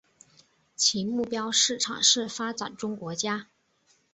其目标市场是发展中国家。